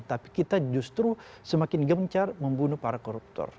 tapi kita justru semakin gencar membunuh para koruptor